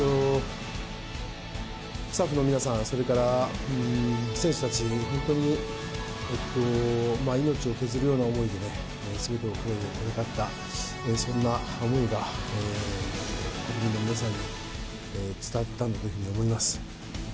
スタッフの皆さん、それから選手たち、本当に命を削るような思いですべてを懸けて戦った、そんな思いが国民の皆さんに伝わったんだと思います。